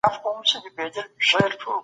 دين ستاسو لار ده.